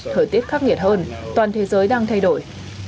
thời tiết khắc nghiệt hơn toàn thế giới đang thay đổi